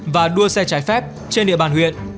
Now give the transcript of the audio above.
và đua xe trái phép trên địa bàn huyện